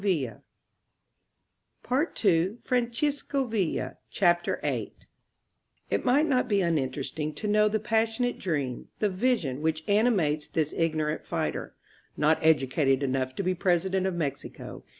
CHAPTER Vin THE DREAM OF PANCHO VILLA IT might not be iminteresting to know the pas sionate dream — the vision which animates this ig norant fighter, "not educated enough to be Presi dent of Mexico."